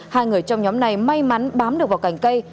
hai người trong nhóm này may mắn bám được vào cành cây